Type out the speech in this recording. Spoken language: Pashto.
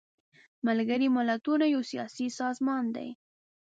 ملګري ملتونه یو سیاسي سازمان دی.